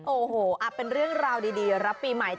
โอ้โหเป็นเรื่องราวดีรับปีใหม่